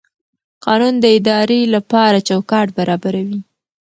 قانون د ادارې لپاره چوکاټ برابروي.